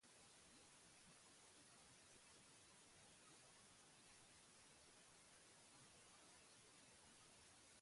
Bere garaiko Ameriketako Estatu Batutako presidenteak ezagutu zituen Helenek.